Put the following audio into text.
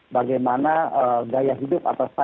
bagaimana gaya hidup atau